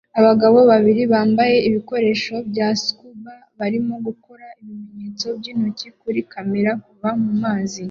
Abagabo babiri bambaye ibikoresho bya scuba barimo gukora ibimenyetso byintoki kuri kamera kuva mumazi